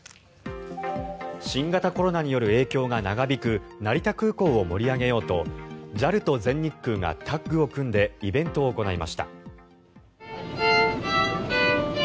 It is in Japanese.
新型コロナによる影響が長引く成田空港を盛り上げようとＪＡＬと全日空がタッグを組んでイベントを行いました。